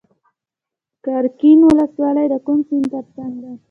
قرقین ولسوالۍ د کوم سیند تر څنګ ده؟